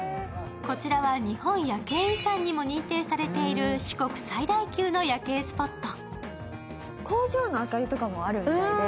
こちらは日本夜景遺産にも認定されている四国最大級の夜景スポット。